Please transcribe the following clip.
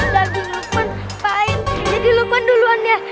lagi lukman paham jadi lukman duluan ya